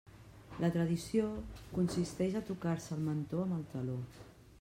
La tradició consisteix a tocar-se el mentó amb el taló?